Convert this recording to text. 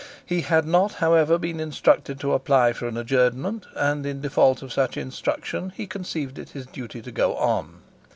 He had not, however, been instructed to apply for an adjournment, and in default of such instruction he conceived it his duty to go on.